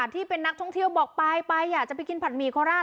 ที่เป็นนักท่องเที่ยวบอกไปไปอยากจะไปกินผัดหมี่โคราช